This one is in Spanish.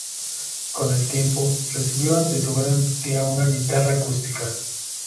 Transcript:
Con el tiempo recibió de su tía una guitarra acústica.